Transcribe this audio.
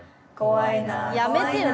やめてよ